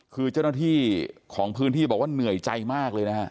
คือเจ้าหน้าที่ของพื้นที่บอกว่าเหนื่อยใจมากเลยนะฮะ